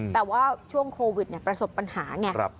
แต่ว่าช่วงโควิดเนี่ยประสบปัญหาเนี่ย